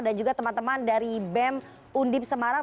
juga teman teman dari bem undip semarang